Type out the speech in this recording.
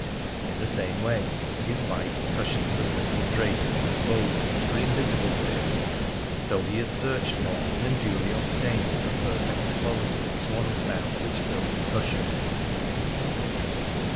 In the same way, his wife's cushions and little draperies and bows were invisible to him, though he had searched for and duly obtained the perfect quality of swansdown which filled the cushions.